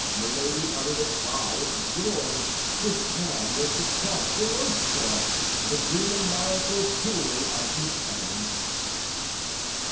Milady uttered a cry of joy; this man was the Comte de Rochefort—the demoniacal tool of his Eminence.